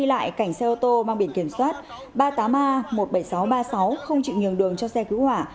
đi lại cảnh xe ô tô mang biển kiểm soát ba mươi tám a một mươi bảy nghìn sáu trăm ba mươi sáu không chịu nhường đường cho xe cứu hỏa